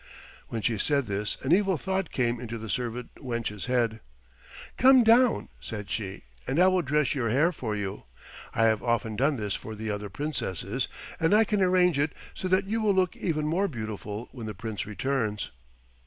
When she said this an evil thought came into the servant wench's head. "Come down," said she, "and I will dress your hair for you; I have often done this for the other Princesses, and I can arrange it so that you will look even more beautiful when the Prince returns."